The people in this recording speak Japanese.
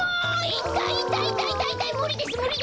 いたいいたいいたいいたいむりですむりです！